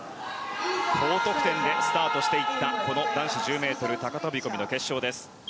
高得点でスタートしていった男子１０ｍ飛板飛込の決勝。